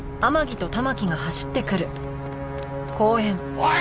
おい！